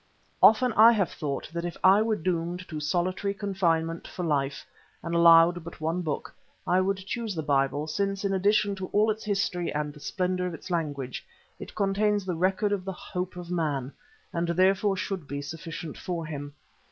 Often I have thought that if I were doomed to solitary confinement for life and allowed but one book, I would choose the Bible, since, in addition to all its history and the splendour of its language, it contains the record of the hope of man, and therefore should be sufficient for him.